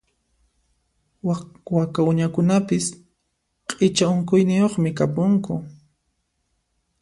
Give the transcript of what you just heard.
Waka uñakunapis q'icha unquyniyuqmi kapunku.